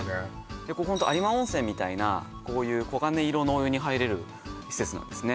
ここホント有馬温泉みたいなこういう黄金色のお湯に入れる施設なんですね